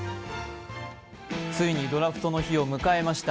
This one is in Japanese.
ついにドラフトの日を迎えました。